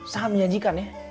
sangat menyajikan ya